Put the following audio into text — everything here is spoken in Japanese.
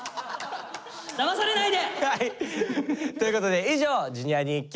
だまされないで！ということで以上「Ｊｒ．にＱ」